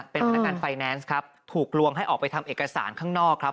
เป็นพนักงานไฟแนนซ์ครับถูกลวงให้ออกไปทำเอกสารข้างนอกครับ